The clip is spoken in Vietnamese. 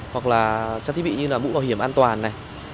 hoặc là chăn thiết bị như là bũ bảo hiểm an toàn này